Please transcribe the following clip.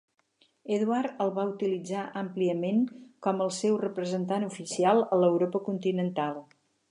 Eduard el va utilitzar àmpliament com el seu representant oficial a l'Europa continental.